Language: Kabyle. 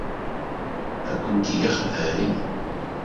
Ad ken-yeqbel?